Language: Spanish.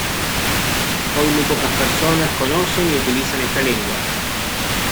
Hoy muy pocas personas conocen y utilizan esta lengua.